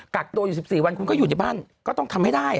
กักตัวอยู่๑๔วันคุณก็อยู่ในบ้านก็ต้องทำให้ได้